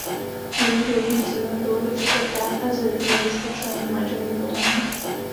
Jejím životním cílem bylo dobře se vdát a zajistit svému manželovi potomky.